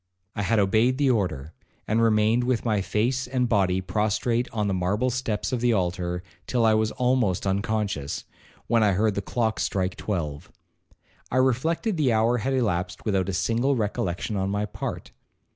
I had obeyed the order, and remained with my face and body prostrate on the marble steps of the altar, till I was almost unconscious, when I heard the clock strike twelve. I reflected the hour had elapsed without a single recollection on my part.